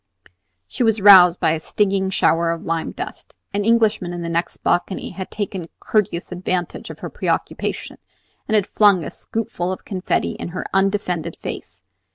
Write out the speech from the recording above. She was roused by a stinging shower of lime dust. An Englishman in the next balcony had take courteous advantage of her preoccupation, and had flung a scoopful of confetti in her undefended face!